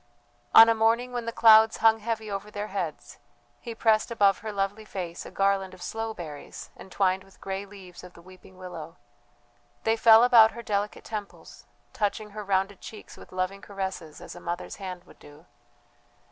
On a morning when the clouds hung heavy over their heads he pressed above her lovely face a garland of sloe berries entwined with grey leaves of the weeping willow; they fell about her delicate temples, touching her rounded cheeks with loving caresses as a mother's hand would do.